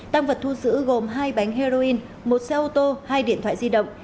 tăng vật thu giữ gồm hai bánh heroin một xe ô tô hai điện thoại di động